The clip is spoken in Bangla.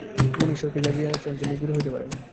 যিনি ঈশ্বরকে জানিয়াছেন, তিনিই গুরু হইতে পারেন।